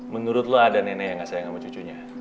menurut lu ada nenek yang ga sayang sama cucunya